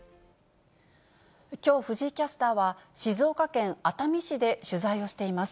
きょう藤井キャスターは、静岡県熱海市で取材をしています。